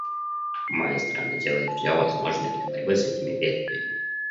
Моя страна делает все возможное для борьбы с этими бедствиями.